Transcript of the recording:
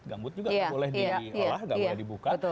gambut juga nggak boleh diolah nggak boleh dibuka